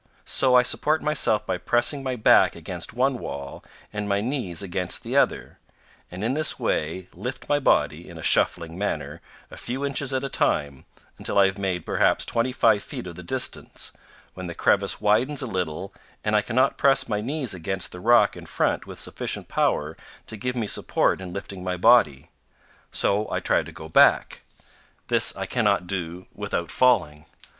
So I support myself by pressing my back against one wall and my knees against the other, and in this way lift my body, in a shuffling manner, a few inches at a time, until I have made perhaps 25 feet of the distance, when the crevice widens a little and I cannot press my knees against the rock in front with sufficient power to give me support in lifting my body; so I try to go back. This I cannot do without falling.